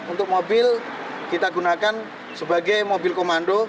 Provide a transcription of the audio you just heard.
untuk mobil kita gunakan sebagai mobil komando